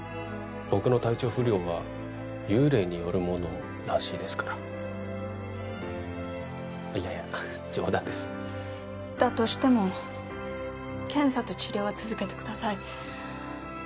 僕の体調不良は幽霊によるものらしいですからいやいや冗談ですだとしても検査と治療は続けてください